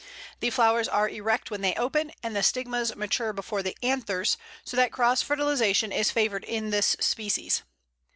The flowers are erect when they open, and the stigmas mature before the anthers, so that cross fertilization is favoured in this species.